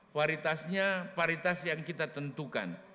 paritasnya paritas yang kita tentukan